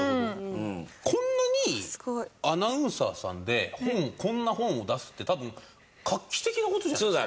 こんなにアナウンサーさんでこんな本を出すって多分画期的な事じゃないですか？